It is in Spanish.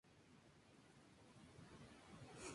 Es el organista residente del Bridgewater Hall de Manchester.